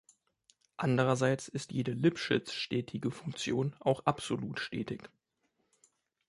Andererseits ist jede Lipschitz-stetige Funktion auch absolut stetig.